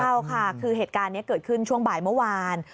ใช่ค่ะคือเหตุการณ์นี้เกิดขึ้นช่วงบ่ายเมื่อวาน